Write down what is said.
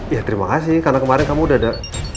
ya terima kasih karena kemarin kamu udah ada